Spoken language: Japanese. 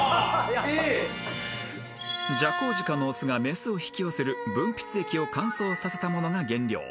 ［ジャコウジカの雄が雌を引き寄せる分泌液を乾燥させたものが原料］